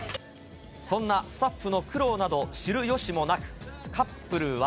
そんなスタッフの苦労など知るよしもなく、カップルは。